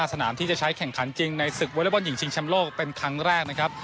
สนามที่จะใช้แข่งขันจริงในศึกวอเล็กบอลหญิงชิงชำโลกเป็นครั้งแรกนะครับ